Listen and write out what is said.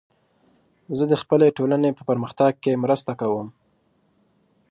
زه د خپلې ټولنې په پرمختګ کې مرسته کوم.